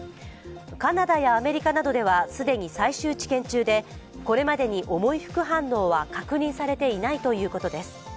カナダやアメリカなどでは既に最終治験中でこれまでに重い副反応は確認されていないということです。